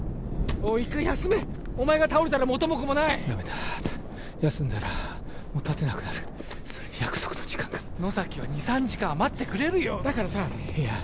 おい一回休めお前が倒れたら元も子もないダメだ休んだらもう立てなくなるそれに約束の時間が野崎は２３時間は待ってくれるよだからさいや